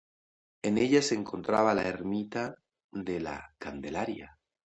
En ella se encontraba la Ermita de la Candelaria.